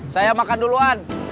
saya makan duluan